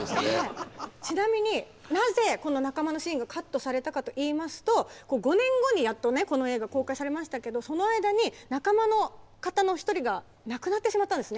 ちなみになぜこの仲間のシーンがカットされたかといいますと５年後にやっとこの映画公開されましたけどその間に仲間の方の一人が亡くなってしまったんですね。